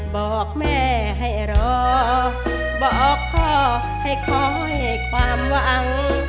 บอกแม่ให้รอบอกพ่อให้คอยความหวัง